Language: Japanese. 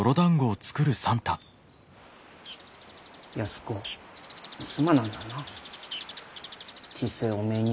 安子すまなんだな。